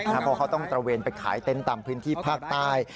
เพราะเขาต้องตระเวนไปขายเต็นต์ตามพื้นที่ภาคใต้